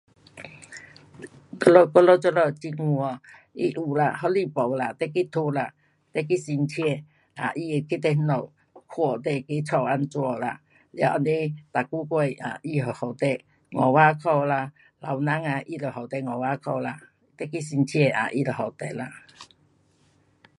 我们我们这里政府 um 它有啦，福利部啦，你去讨啦，你去申请，啊，他会去你那家看你那个家这样啦，了这样每个月他会给你五百块啦，老人啊，他就给你五百块啦。你去申请啊他就给你咯。